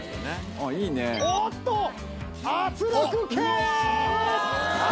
おっと、圧力計。